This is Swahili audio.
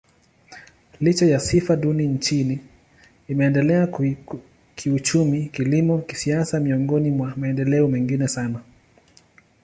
Licha ya sifa duni nchini, imeendelea kiuchumi, kilimo, kisiasa miongoni mwa maendeleo mengi sana.